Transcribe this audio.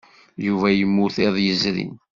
Yuba yemmut iḍ yezrin.